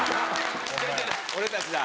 俺たちだ。